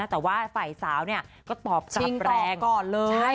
แต่ว่าฝ่ายสาวก็ตอบกลับแรงก่อนเลย